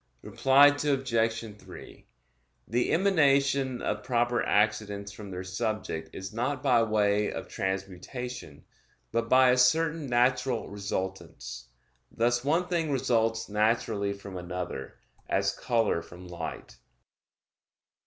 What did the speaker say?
Reply Obj. 3: The emanation of proper accidents from their subject is not by way of transmutation, but by a certain natural resultance; thus one thing results naturally from another, as color from light.